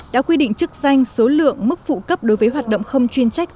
đã quy định chức danh số lượng mức phụ cấp đối với hoạt động không chuyên trách